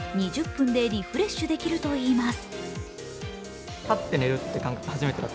分でリフレッシュできるといいます。